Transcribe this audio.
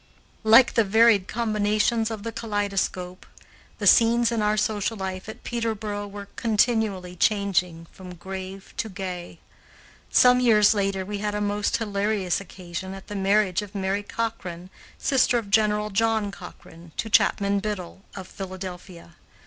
Like the varied combinations of the kaleidoscope, the scenes in our social life at Peterboro were continually changing from grave to gay. Some years later we had a most hilarious occasion at the marriage of Mary Cochrane, sister of General John Cochrane, to Chapman Biddle, of Philadelphia.